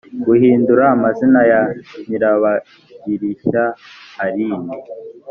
guhindura amazina ya nyirabagirishya aline